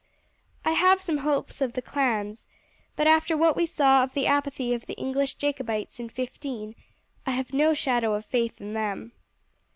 I have some hopes of the clans, but after what we saw of the apathy of the English Jacobites in '15 I have no shadow of faith in them.